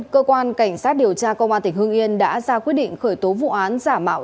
cơ quan cảnh sát điều tra công an tỉnh hưng yên đã ra quyết định khởi tố vụ án giả mạo